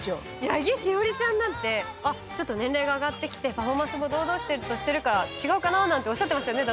八木栞ちゃんなんてちょっと年齢が上がってきてパフォーマンスも堂々としてるから違うかななんておっしゃってましたね